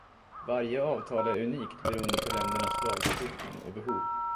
Varje avtal är unikt beroende på ländernas lagstiftning och behov.